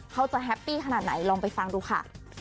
แฮปปี้ขนาดไหนลองไปฟังดูค่ะ